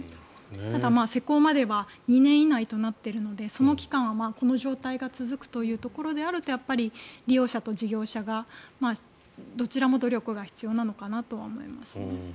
ただ、施行までは２年以内となっているのでその期間は、この状態が続くということであるとやっぱり利用者と事業者がどちらも努力が必要なのかなとは思いますね。